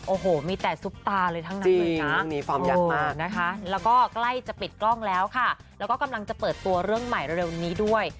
โอ้โหมีแต่ซุปตาเลยทั้งนั้นเลยนะแล้วก็ใกล้จะปิดกล้องแล้วค่ะแล้วก็กำลังจะเปิดตัวเรื่องใหม่เร็วนี้ด้วย